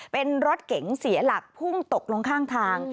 เป็นรถเก๋งเสียหลักพุ่งตกลงข้างทาง